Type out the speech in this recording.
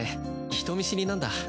人見知りなんだ。